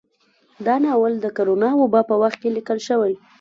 دا ناول د کرونا وبا په وخت کې ليکل شوى